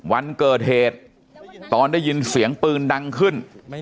วันเกิดเหตุตอนได้ยินเสียงปืนดังขึ้น